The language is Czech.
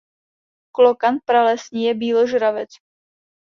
Klokan pralesní je býložravec.